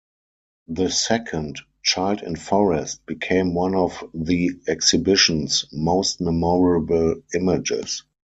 The second, "Child in Forest," became one of the exhibition's most memorable images.